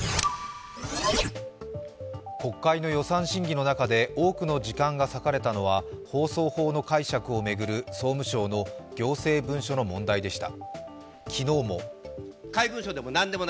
国会の予算審議の中で多くの時間が割かれたのは放送法の解釈を巡る総務省の行政文書の問題でした。